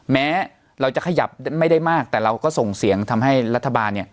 แม้เราจะขยับไม่ได้มากแต่เราก็ส่งเสียงทำให้รัฐบาลเนี่ย